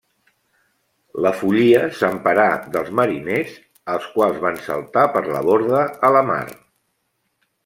La follia s'emparà dels mariners, els quals van saltar per la borda a la mar.